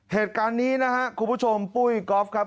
เหตุการณ์นี้นะครับคุณผู้ชมปุ้ยก๊อฟครับ